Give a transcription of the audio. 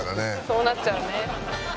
そうなっちゃうね。